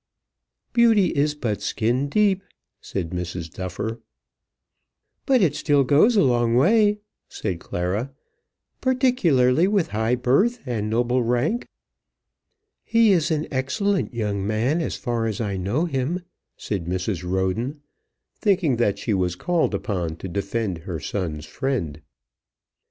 "Beauty is but skin deep," said Mrs. Duffer. "But still it goes a long way," said Clara, "particularly with high birth and noble rank." "He is an excellent young man, as far as I know him," said Mrs. Roden, thinking that she was called upon to defend her son's friend.